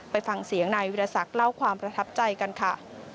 ไปฟังเสียงนายวิทยาศักดิ์เล่าความประทับใจกันค่ะ